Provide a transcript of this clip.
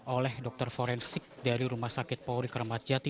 oleh dokter forensik dari rumah sakit pauli kramatjati